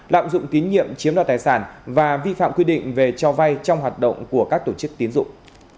lạm dụng tín nhiệm chiếm đoạt tài sản và vi phạm quy định về cho vay trong hoạt động của các tổ chức tiến dụng